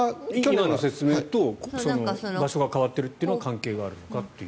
今の説明と場所が変わっているというのは関係があるのかという。